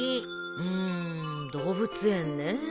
うーん動物園ねえ。